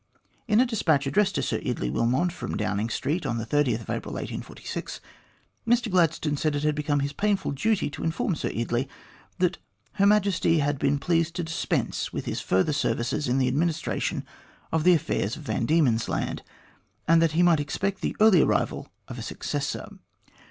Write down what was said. In a despatch addressed to Sir Eardley Wilmot from Downing Street on April 30, 1846, Mr Gladstone said it had become his painful duty to inform Sir Eardley that Her Majesty had been pleased to dispense with his further services in the administration of the affairs of Van Diemen's Land, and that he might expect the early arrival of a successor.